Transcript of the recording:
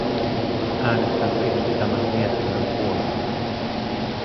Äänestän siksi tämän mietinnön puolesta.